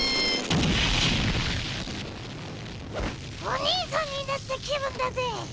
おにいさんになった気分だぜ。